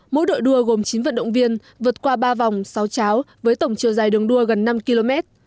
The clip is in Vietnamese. mỗi đội đua gồm chín vận động viên vượt qua ba vòng sáu cháo với tổng chiều dài đường đua gần năm km